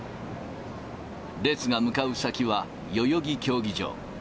列が向かう先は代々木競技場。